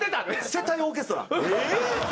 「接待オーケストラ」。